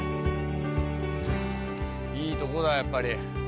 いいとこだやっぱり。